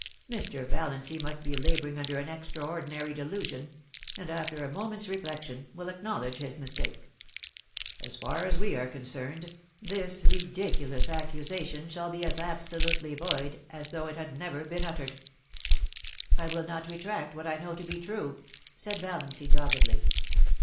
Mr. Valiancy must be .labouring under an extraordinary delusion, and, after a moment's reflection, will acknowledge his mistake. As far as we are concerned, this ridiculous accusation shall be as absolutely void as though it had never been uttered' * I will not retract what I know to be true,' said Valiancy, doggedly.